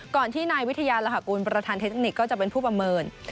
ที่นายวิทยาลหากุลประธานเทคนิคก็จะเป็นผู้ประเมิน